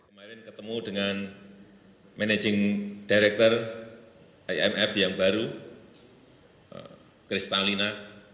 kemarin ketemu dengan managing director imf yang baru kristalina